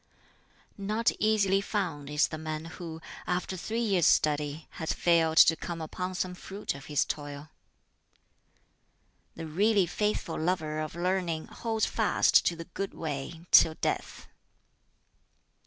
"Not easily found is the man who, after three years' study, has failed to come upon some fruit of his toil. "The really faithful lover of learning holds fast to the Good Way till death.